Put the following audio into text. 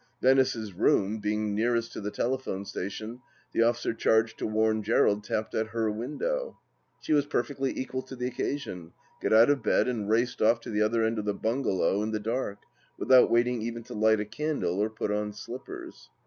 Venice's room, being nearest to the telephone station, the officer charged to warn Gerald tapped at her window. She was perfectly equal to the occasion ; got out of bed and raced off to the other end of the bungalow in the dark, without waiting even to light a candle or put on slippers.